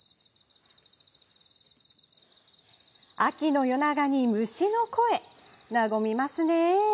秋の夜長に虫の声和みますね。